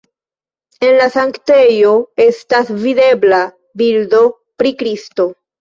En la sanktejo estas videbla bildo pri Kristo.